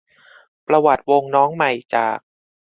ประวัติวงน้องใหม่จาก